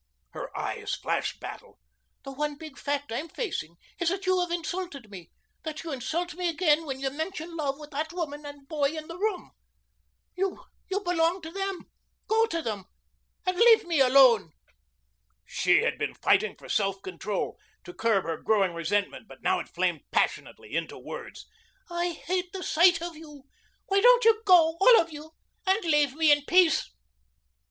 Her eyes flashed battle. "The one big fact I'm facing is that you have insulted me that you insult me again when you mention love with that woman and boy in the room. You belong to them go to them and leave me alone." She had been fighting for self control, to curb her growing resentment, but now it flamed passionately into words. "I hate the sight of you. Why don't you go all of you and leave me in peace?"